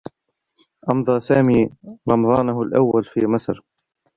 أمضى سامي رمضانه الأوّل في مصر.